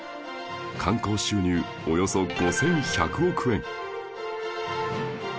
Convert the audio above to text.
観光収入およそ５１００億円